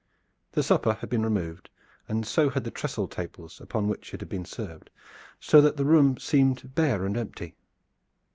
The supper had been removed, and so had the trestle tables upon which it had been served, so that the room seemed bare and empty.